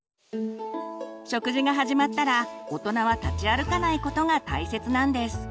食事が始まったら大人は立ち歩かないことが大切なんです。